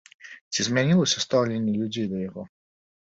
Ці змянілася стаўленне людзей да яго?